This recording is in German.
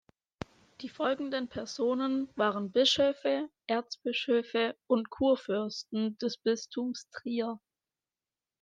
Die folgenden Personen waren Bischöfe, Erzbischöfe und Kurfürsten des Bistums Trier.